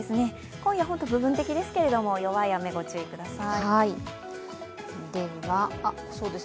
今夜、本当に部分的ですけれども、弱い雨、ご注意ください。